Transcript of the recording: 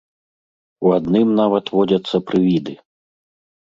У адным нават водзяцца прывіды.